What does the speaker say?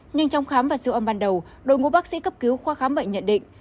nhưng trong khám và siêu âm ban đầu đội ngũ bác sĩ cấp cứu khoa khám bệnh nhận định